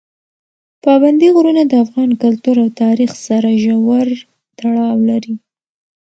پابندي غرونه د افغان کلتور او تاریخ سره ژور تړاو لري.